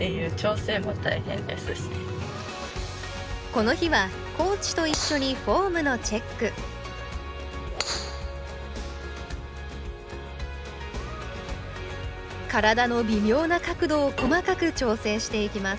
この日はコーチと一緒にフォームのチェック体の微妙な角度を細かく調整していきます